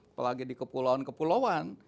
apalagi di kepulauan kepulauan